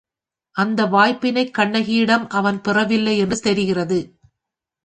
அந்த வாய்ப்பினைக் கண்ணகியிடம் அவன் பெறவில்லை என்று தெரிகிறது.